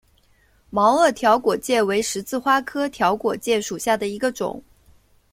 毛萼条果芥为十字花科条果芥属下的一个种。